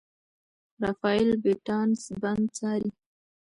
رافایل بیټانس بند څاري.